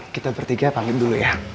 kita bertiga panggil dulu ya